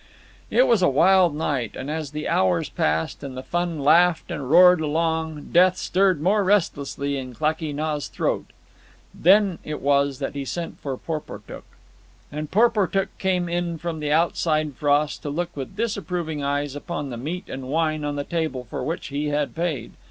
It was a wild night, and as the hours passed and the fun laughed and roared along, death stirred more restlessly in Klakee Nah's throat. Then it was that he sent for Porportuk. And Porportuk came in from the outside frost to look with disapproving eyes upon the meat and wine on the table for which he had paid.